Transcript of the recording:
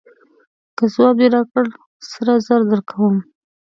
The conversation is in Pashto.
که ځواب دې راکړ سره زر درکوم.